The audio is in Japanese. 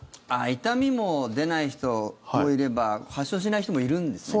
痛みも出ない人もいれば発症しない人もいるんですね。